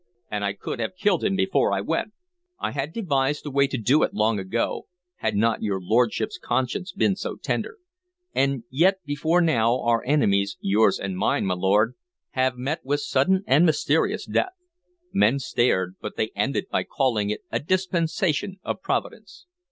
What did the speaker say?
An I could have killed him before I went" "I had devised a way to do it long ago, had not your lordship's conscience been so tender. And yet, before now, our enemies yours and mine, my lord have met with sudden and mysterious death. Men stared, but they ended by calling it a dispensation of Providence."